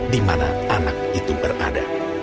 di mana anak itu berada